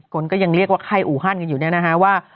คนก็ยังเรียกว่าไข้อูฮันกันอยู่เนี่ยนะฮะว่า